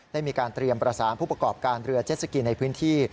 ได้มีการเตรียมประสานผู้ประกอบการเรือเจ็ดสกีในพื้นที่